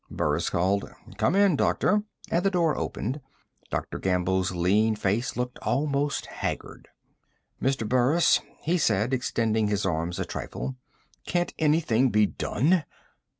Burris called: "Come in, doctor," and the door opened. Dr. Gamble's lean face looked almost haggard. "Mr. Burris," he said, extending his arms a trifle, "can't anything be done?"